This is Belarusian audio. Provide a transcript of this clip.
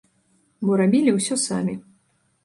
Бо рабілі ўсё самі.